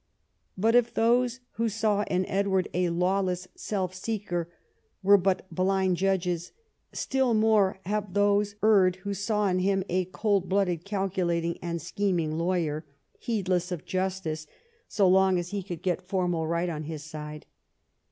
But if those who saw in Edward a lawless self seeker were but blind judges, still more have those erred who saw in him a cold blooded, calculating, and scheming lawyer, heedless of justice so long as he could get formal right on his side.